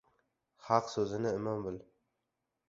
— Haq so‘zini imon bil.